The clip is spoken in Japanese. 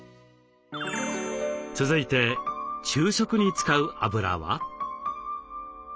続いて昼食に使うあぶらは？